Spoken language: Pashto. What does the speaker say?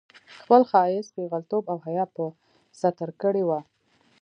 خپل ښايیت، پېغلتوب او حيا په ستر کړې وه